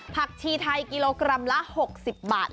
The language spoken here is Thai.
ผักชีไทยกิโลกรัมละ๖๐บาท